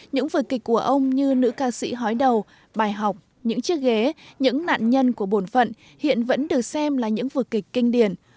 những vở kịch của ông như nữ ca sĩ hói đầu bài học những chiếc ghế những nạn nhân của bổn phận hiện vẫn được xem là những vực kịch kinh điển